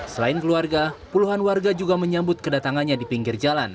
selain keluarga puluhan warga juga menyambut kedatangannya di pinggir jalan